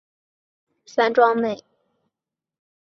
内八景位于山庄内。